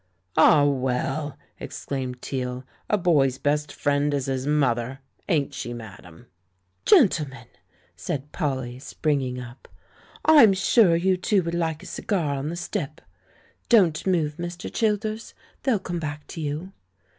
"Ah, well," exclaimed Teale, " 'a boy's best friend is his mother!" Ain't she, madame?" "Gentlemen," said Polly, springing up, "I'm sure you two would like a cigar on the stoep! Don't move, Mr. Childers. They'll come back to you."